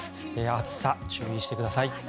暑さ、注意してください。